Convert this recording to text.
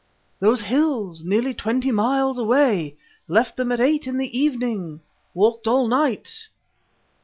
"Those hills nearly twenty miles away. Left them at eight in the evening; walked all night."